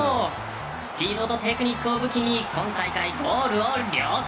スピードとテクニックを武器に今大会、ゴールを量産。